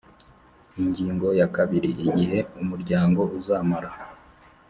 Ingingo ya kabiri Igihe umuryango uzamara